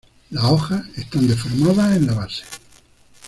Las hojas están deformadas en la base.